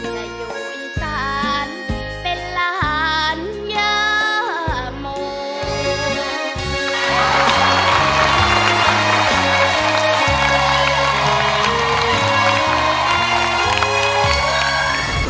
จะอยู่อีกจานเป็นละหันยามอง